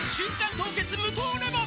凍結無糖レモン」